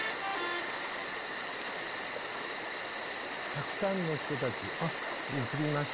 たくさんの人たちあっ映りましたね。